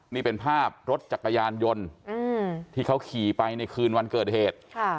นี่เป็นภาพรถจักรยานยนต์ที่เขาขี่ไปในคืนวันเกิดเหตุ